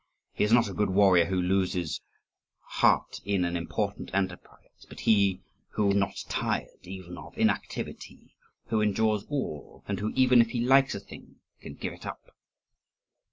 He is not a good warrior who loses heart in an important enterprise; but he who is not tired even of inactivity, who endures all, and who even if he likes a thing can give it up."